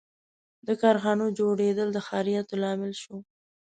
• د کارخانو جوړېدل د ښاریاتو لامل شو.